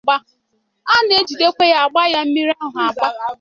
a na-ejidekwa ya gbàá ya mmiri ahụ àgbàá.